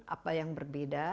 apa yang berbeda